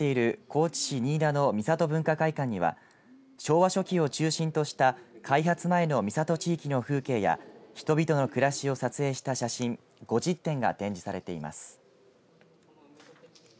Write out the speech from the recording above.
高知市仁井田の三里文化会館には昭和初期を中心とした開発前の三里地域の風景や人々の暮らしを撮影した写真５０点が展示されています。